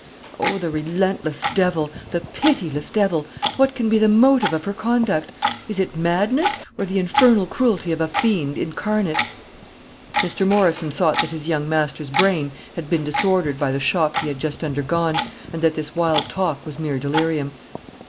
Oh, the relentless devil, the pitiless devil! what can be the motive of her conduct? Is it madness, or the infernal cruelty of a fiend incarnate?" Mr. Morrison thought that his young master's brain had been disordered by the shock he had just undergone, and that this wild talk was mere delirium.